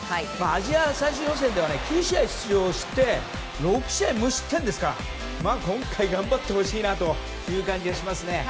アジア最終予選では９試合出場して６試合無失点ですから今回も頑張ってほしいという感じがしますね。